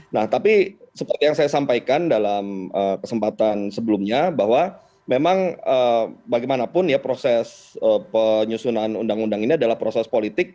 nah tapi seperti yang saya sampaikan dalam kesempatan sebelumnya bahwa memang bagaimanapun ya proses penyusunan undang undang ini adalah proses politik